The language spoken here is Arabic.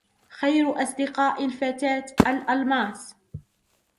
خير أصدقاء الفتاة: الألماس.